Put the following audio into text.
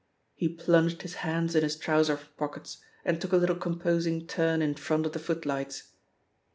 He plunged his hands in his trousers pockets and took a little composing turn in front of the footlights.